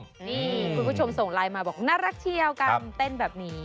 นี่คุณผู้ชมส่งไลน์มาบอกน่ารักเชียวการเต้นแบบนี้